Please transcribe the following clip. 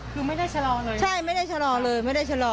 คือไม่ได้ชะลอเลยใช่ไม่ได้ชะลอเลยไม่ได้ชะลอ